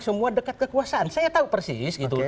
semua dekat kekuasaan saya tahu persis gitu